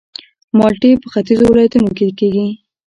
مالټې په ختیځو ولایتونو کې کیږي